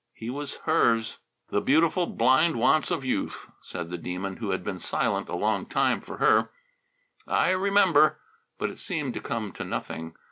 He was hers. "The beautiful, blind wants of youth!" said the Demon, who had been silent a long time, for her. "I remember " But it seemed to come to nothing.